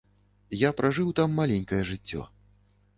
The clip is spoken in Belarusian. Я пражыў там маленькае жыццё.